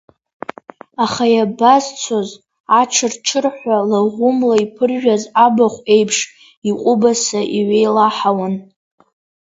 Аха иабазцоз, аҽыр-ҽырҳәа, лаӷәымла иԥыржәаз абахә еиԥш, иҟәыбаса иҩеилаҳауан.